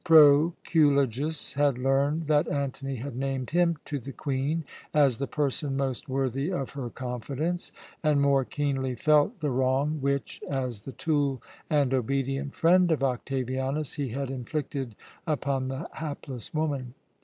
Proculejus had learned that Antony had named him to the Queen as the person most worthy of her confidence, and more keenly felt the wrong which, as the tool and obedient friend of Octavianus, he had inflicted upon the hapless woman.